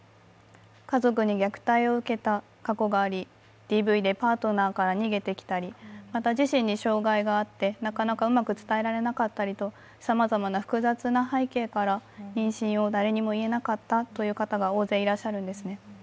家族に虐待を受けた過去があり、ＤＶでパートナーから逃げてきたり、また自身に障害があってうまく伝えられなかったりさまざまな複雑な背景から妊娠を誰にも言えなかったという方が大勢いらっしゃるんですね。